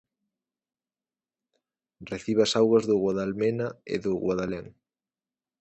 Recibe as augas do Guadalmena e do Guadalén.